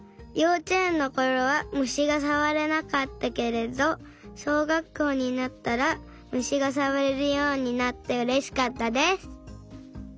ようちえんのころはむしがさわれなかったけれどしょうがっこうになったらむしがさわれるようになってうれしかったです。